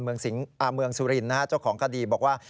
เมืองสุรินทร์นะฮะเจ้าของคดีบอกว่า